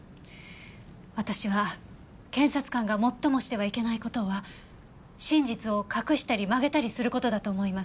私は検察官が最もしてはいけない事は真実を隠したり曲げたりする事だと思います。